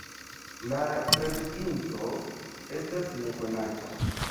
La tradukinto estas nekonata.